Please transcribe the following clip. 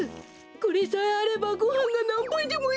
これさえあればごはんがなんばいでもいけるでごわすよ。